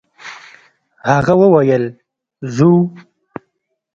هغه وويل: «ځو!»